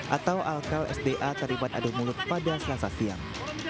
atau alkal sda terlibat adu mulut pada selasa siang